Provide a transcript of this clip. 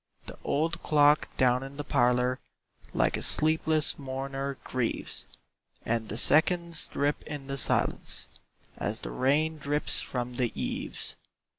The old clock down in the parlor Like a sleepless mourner grieves, And the seconds drip in the silence As the rain drips from the eaves.